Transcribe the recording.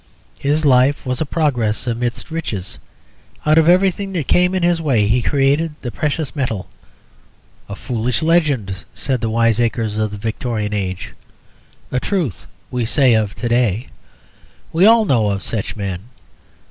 His life was a progress amidst riches. Out of everything that came in his way he created the precious metal. 'A foolish legend,' said the wiseacres of the Victorian age. 'A truth,' say we of to day. We all know of such men.